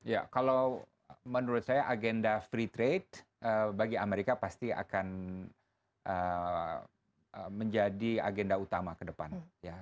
ya kalau menurut saya agenda free trade bagi amerika pasti akan menjadi agenda utama ke depan